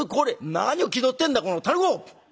「何を気取ってんだこのタヌ公！